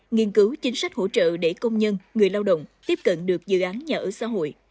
nghiên cứu chính sách hỗ trợ để công nhân người lao động tiếp cận được dự án nhà ở xã hội